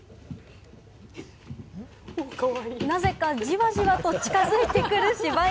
なぜか、じわじわと近づいてくるしば犬。